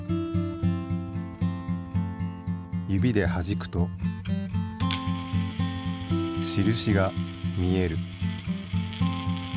指ではじくと印が見える。